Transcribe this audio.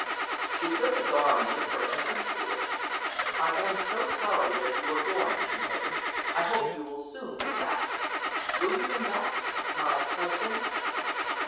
She took his arm and linked her hands through it. "I am so sorry that you are going," she murmured. "I hope you will soon come back. Will you come back my husband?"